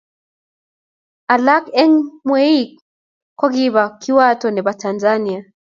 alak eng mweik ko kiba kiwato nebo tanzania